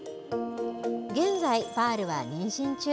現在、パールは妊娠中。